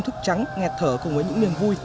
thức trắng nghẹt thở cùng với những niềm vui